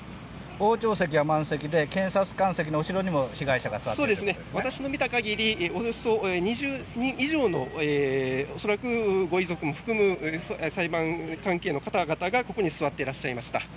傍聴席は満席で検察官席の後ろにも私が見た限りおよそ２０人以上の恐らくご遺族含む裁判関係の方々がここに座ってらっしゃいました。